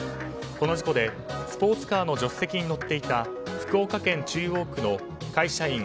この事故でスポーツカーの助手席に乗っていた福岡県中央区の会社